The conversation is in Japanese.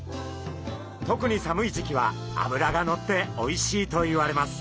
特に寒い時期はあぶらがのっておいしいといわれます。